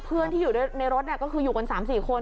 เพื่อนที่อยู่ในรถก็คืออยู่กัน๓๔คน